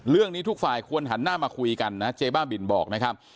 เรื่องนี้ทุกฝ่ายควรหันหน้ามาคุยกันนะเจบ้าบิลบอกนะครับ